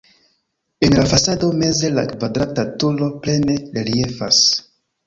En la fasado meze la kvadrata turo plene reliefas.